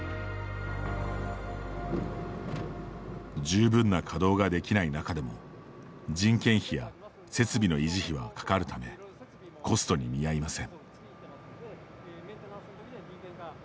十分な稼働ができない中でも人件費や設備の維持費はかかるためコストに見合いません。